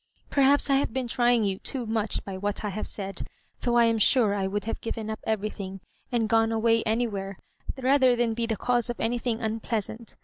Perhaps I have been trying you too much by what I have said ; though I am sure I would have given up everything, and gone away anywhere, rather than be the cause of anything unpHeasant.